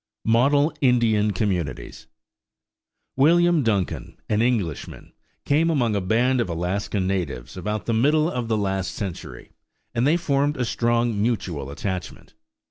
MODEL INDIAN COMMUNITIES William Duncan, an Englishman, came among a band of Alaskan natives about the middle of the last century, and they formed a strong mutual attachment.